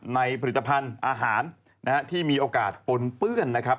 ผลิตภัณฑ์อาหารนะฮะที่มีโอกาสปนเปื้อนนะครับ